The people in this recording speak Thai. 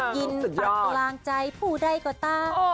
กินปัดกลางใจผู้ได้ก็ต้า